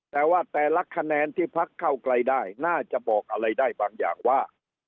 แต่ว่าแต่ละคะแนนที่พักเก้าไกลได้น่าจะบอกอะไรได้บางอย่างว่า